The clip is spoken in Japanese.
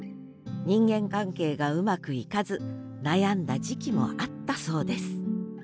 人間関係がうまくいかず悩んだ時期もあったそうです